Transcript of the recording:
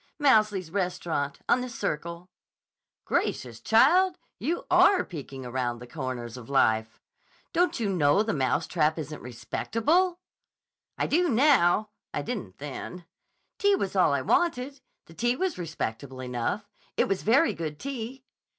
"Mouseley's restaurant, on the Circle." "Gracious, child! You are peeking around the comers of life. Don't you know the Mouse Trap isn't respectable?" "I do now. I didn't then. Tea was all I wanted. The tea was respectable enough. It was very good tea."